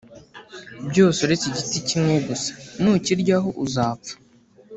byose uretse igiti kimwe gusa Nukiryaho uzapfa